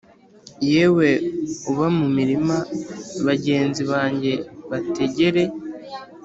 Yewe uba mu mirima Bagenzi banjye bategere